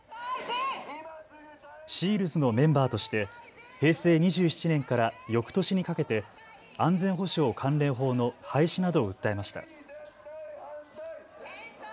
ＳＥＡＬＤｓのメンバーとして平成２７年からよくとしにかけて安全保障関連法の廃止などを訴えました。